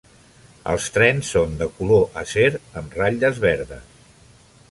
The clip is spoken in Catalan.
Els trens són de color acer amb ratlles verdes.